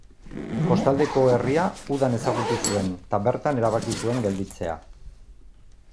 Kostaldeko herria udan ezagutu zuen eta bertan erabaki zuen gelditzea.